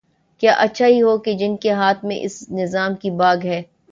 کیا ہی اچھا ہو کہ جن کے ہاتھ میں اس نظام کی باگ ہے۔